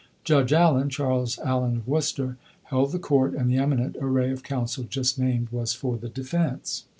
Judge Allen (Charles Allen of Worcester) held the court, and the eminent array of counsel just named was for the defense.